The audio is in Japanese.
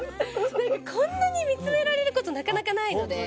なんかこんなに見つめられる事なかなかないので。